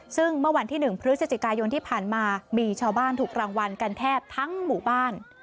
ซึ่งเมื่อวันที่๑พฤศจิกายนที่ผ่านมามีชาวบ้านถูกรางวัลกันแทบทั้งหมู่บ้าน